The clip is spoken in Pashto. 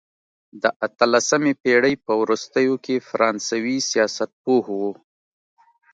د اتلسمې پېړۍ په وروستیو کې فرانسوي سیاستپوه وو.